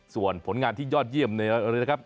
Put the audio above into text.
ส่วนผลงานที่ยอดเยี่ยมเลยนะครับ